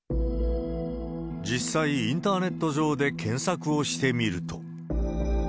実際、インターネット上で検索をしてみると。